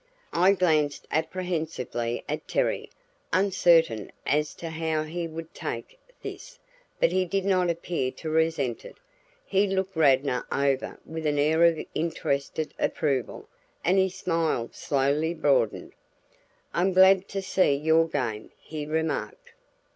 I glanced apprehensively at Terry, uncertain as to how he would take this; but he did not appear to resent it. He looked Radnor over with an air of interested approval and his smile slowly broadened. "I'm glad to see you're game," he remarked.